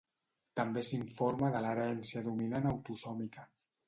També s'informa de l'herència dominant autosòmica.